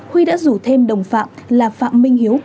huy đã rủ thêm đồng phạm là phạm minh hiếu